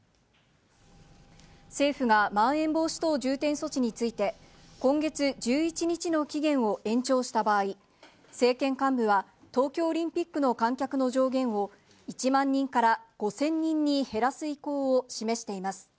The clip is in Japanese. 政府が、まん延防止等重点措置について、今月１１日の期限を延長した場合、政権幹部は東京オリンピックの観客の上限を、１万人から５０００人に減らす意向を示しています。